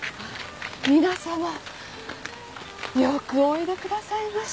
皆さまよくおいでくださいました。